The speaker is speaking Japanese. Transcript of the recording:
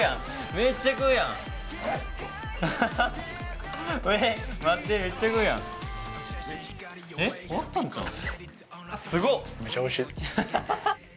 めちゃおいしい。